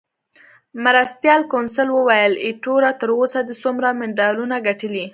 مرستیال کونسل وویل: ایټوره، تر اوسه دې څومره مډالونه ګټلي؟